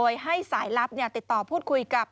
ที่สายลับเนี่ยติดต่อพูดคุยกับ